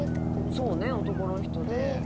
そうね男の人で。